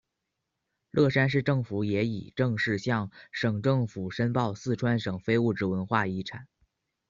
乐山市政府也已正式向省政府申报四川省非物质文化遗产。